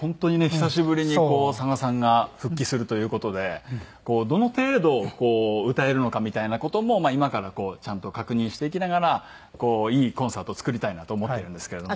久しぶりに佐賀さんが復帰するという事でどの程度歌えるのかみたいな事も今からちゃんと確認していきながらいいコンサートを作りたいなと思っているんですけれども。